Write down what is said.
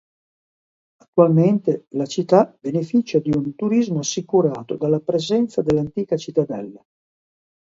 Attualmente la città beneficia di un turismo assicurato dalla presenza dell'antica cittadella.